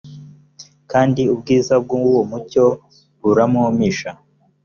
kandi ubwiza bw uwo mucyo burampumisha